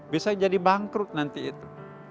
bisa jadi bangkrut nanti itu